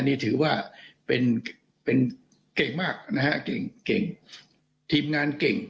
นี่ถือว่าเป็นเป็นเก่งมากนะฮะเก่งเก่งทีมงานเก่ง